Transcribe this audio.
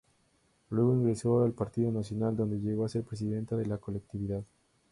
Luego ingresó al Partido Nacional, donde llegó a ser presidente de la colectividad.